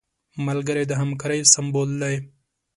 ملګری د همکارۍ سمبول دی